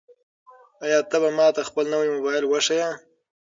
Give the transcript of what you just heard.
آیا ته به ماته خپل نوی موبایل وښایې؟